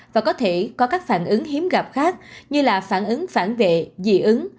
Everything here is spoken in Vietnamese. và có thể có các phản ứng hiếm gặp khác như là phản ứng phản vệ dị ứng